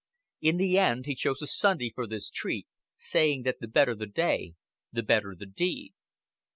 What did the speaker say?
In the end he chose a Sunday for this treat, saying that the better the day the better the deed.